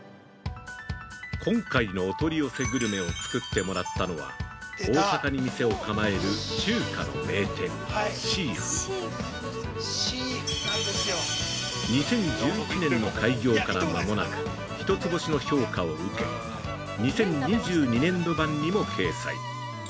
今回のお取り寄せグルメを作ってもらったのは大阪に店を構える「Ｃｈｉ−Ｆｕ」２０１１年の開業から間もなく一つ星の評価を受け２０２２年度版にも掲載。